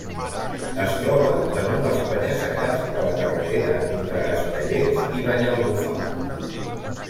Es troba damunt els penya-segats de la carretera entre Estellencs i Banyalbufar.